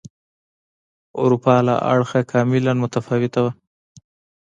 اروپا له اړخه کاملا متفاوته وه.